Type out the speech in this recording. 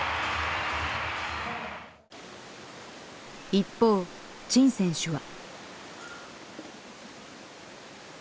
一方陳選手は。